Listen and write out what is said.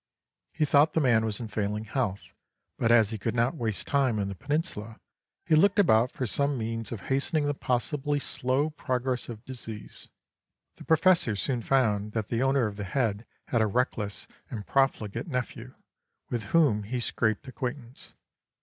He thought the man was in failing health; but as he could not waste time in the Peninsula, he looked about for some means of hastening the possibly slow progress of disease. The Professor soon found that the owner of the head had a reckless and profligate nephew, with whom he scraped acquaintance.